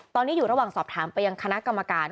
ตอนนี้อยู่ระหว่างสอบถามไปยังคณะกรรมการ